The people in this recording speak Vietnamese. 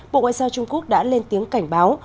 bộ ngoại giao trung quốc đã lên tiếng cảnh báo